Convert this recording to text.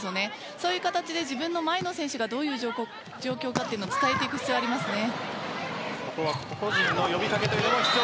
そういう形で自分の前の選手がどういう状況かを伝えていく必要がありますね。